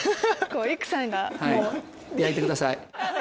育さんがもう。焼いてください。